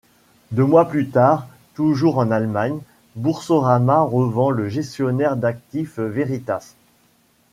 Deux mois plus tard, toujours en Allemagne, Boursorama revend le gestionnaire d'actifs Veritas.